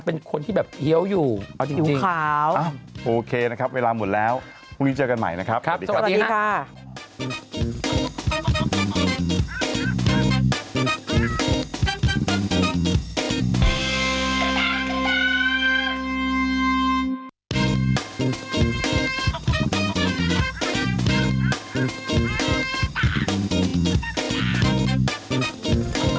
โปรดติดตามตอนต่อไป